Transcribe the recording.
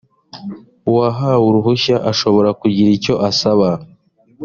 uwahawe uruhushya ashobora kugira icyo asaba